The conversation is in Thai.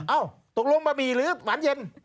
ตกลงบะหมี่หรือหวานเย็น